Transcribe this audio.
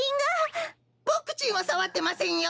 ボクちんはさわってませんよ。